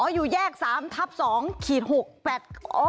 อยู่แยก๓ทับ๒ขีด๖แบบ๘